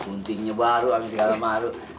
kuntingnya baru anggis kala maru